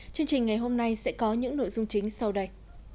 chương trình ngày hôm nay sẽ có những nội dung chính sau đây